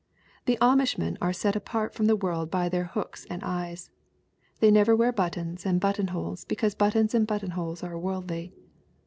"The Amishmen are set apart from the world by their hooks and eyes. They never wear buttons and buttonholes because buttons and buttonholes are world ly.